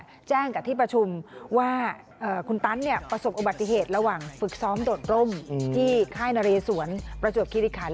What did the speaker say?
ก็แจ้งกับที่ประชุมว่าคุณตันเนี่ยประสบอุบัติเหตุระหว่างฝึกซ้อมโดดร่มที่ค่ายนเรสวนประจวบคิริคัน